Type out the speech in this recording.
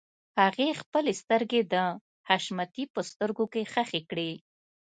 هغې خپلې سترګې د حشمتي په سترګو کې ښخې کړې.